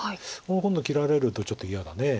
今度切られるとちょっと嫌だね。